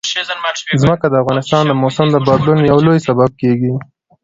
ځمکه د افغانستان د موسم د بدلون یو لوی سبب کېږي.